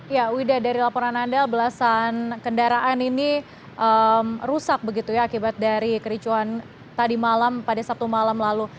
ya wida dari laporan anda belasan kendaraan ini rusak begitu ya akibat dari kericuan tadi malam pada sabtu malam lalu